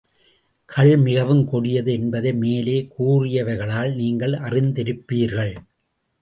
கள் மிகவுங் கொடியது என்பதை மேலே கூறியவைகளால் நீங்கள் அறிந்திருப்பீர்கள்.